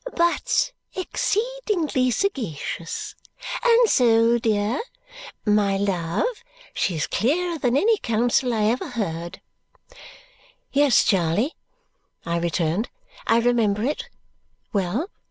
"But exceedingly sagacious! And so dear! My love, she's clearer than any counsel I ever heard!" "Yes, Charley," I returned. "I remember it. Well?"